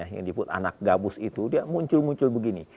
yang disebut anak gabus itu dia muncul muncul begini